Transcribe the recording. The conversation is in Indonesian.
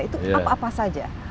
itu apa apa saja